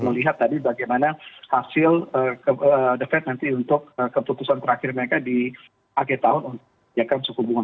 melihat tadi bagaimana hasil the fed nanti untuk keputusan terakhir mereka di akhir tahun untuk suku bunga